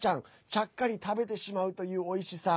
ちゃっかり食べてしまうというおいしさ。